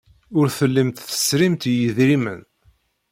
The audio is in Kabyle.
Ur tellimt tesrimt i yedrimen.